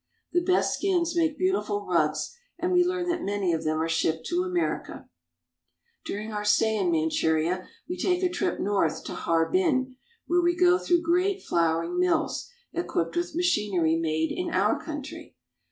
The best skins make beautiful rugs, and we learn that many of them are shipped to America. I50 CHINESE BOATS AND BOAT PEOPLE During our stay in Manchuria we take a trip north to Harbin, where we go through great flouring mills, equipped with machinery made in our country.